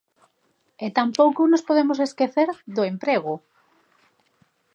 E tampouco nos podemos esquecer do emprego.